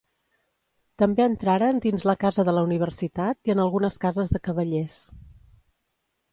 També entraren dins la Casa de la Universitat i en algunes cases de cavallers.